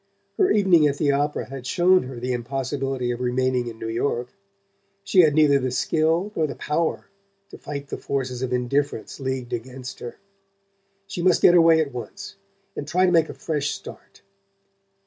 Her evening at the opera had shown her the impossibility of remaining in New York. She had neither the skill nor the power to fight the forces of indifference leagued against her: she must get away at once, and try to make a fresh start.